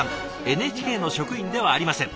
ＮＨＫの職員ではありません。